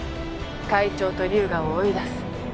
会長と龍河を追い出す。